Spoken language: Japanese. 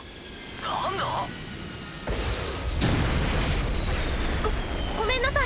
なんだ？ごごめんなさい。